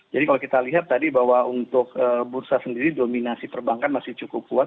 jadi kalau kita lihat tadi bahwa untuk bursa sendiri dominasi perbankan masih cukup kuat